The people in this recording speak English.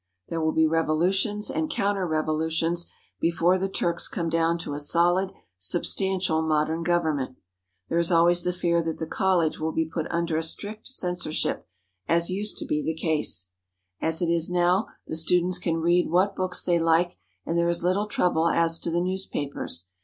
There will be revo lutions and counter revolutions before the Turks come down to a solid, substantial, modern government. There is always the fear that the college will be put under a 254 AMERICAN LEAVEN IN THE NEAR EAST strict censorship, as used to be the case. As it is now, the students can read what books they like, and there is little trouble as to the newspapers.